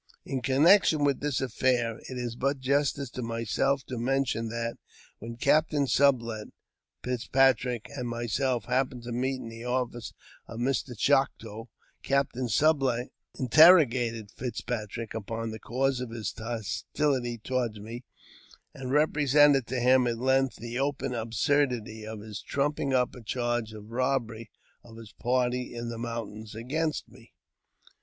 In connection with this affair, it is but justice to myself to mention that, when Captain Sublet, Fitzpatrick, and myself happened to meet in the office of Mr. Chouteau, Captain Sublet interrogated Fitzpatrick upon the cause of his hostility toward me, and represented to him at length the open absurdity of his trumping up a charge of robbery of his party in the mountains ainst me.